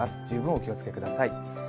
十分お気をつけください。